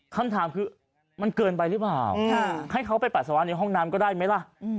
คำถามคือมันเกินไปหรือเปล่าให้เขาไปปัสสาวะในห้องน้ำก็ได้ไหมล่ะ